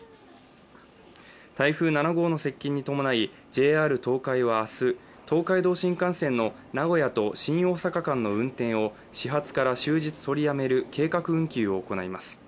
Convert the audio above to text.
台風７号の接近に伴い、ＪＲ東海は明日、東海道新幹線の名古屋と新大阪間の運転を始発から終日取りやめる計画運休を行います。